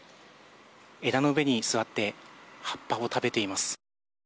枝の上に座って葉っぱを食べています。